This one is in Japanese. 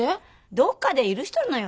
どっかで許しとるのよ